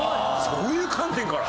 そういう観点から？